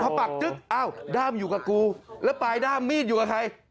พอปักจึ๊กอ้าวด้ามอยู่กับกูแล้วปลายด้ามมีดอยู่กับใคร